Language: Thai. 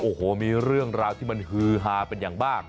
โอ้โหมีเรื่องราวที่มันฮือฮาเป็นอย่างมาก